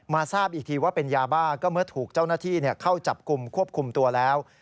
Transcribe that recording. ทราบอีกทีว่าเป็นยาบ้าก็เมื่อถูกเจ้าหน้าที่เข้าจับกลุ่มควบคุมตัวแล้ว